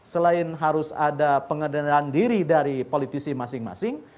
selain harus ada pengendalian diri dari politisi masing masing